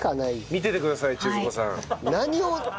見ててください。